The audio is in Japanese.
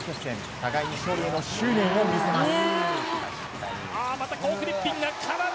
互いに勝利への執念を見せます。